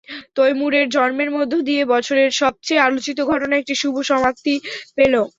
তৈমুরের জন্মের মধ্য দিয়ে বছরের সবচেয়ে আলোচিত ঘটনা একটি শুভ সমাপ্তি পেল।